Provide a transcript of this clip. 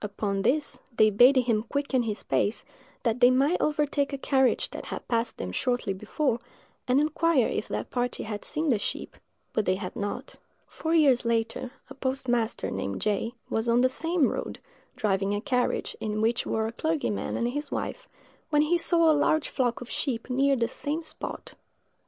Upon this, they bade him quicken his pace, that they might overtake a carriage that had passed them shortly before, and inquire if that party had seen the sheep; but they had not. Four years later, a postmaster, named J——, was on the same road, driving a carriage, in which were a clergyman and his wife, when he saw a large flock of sheep near the same spot.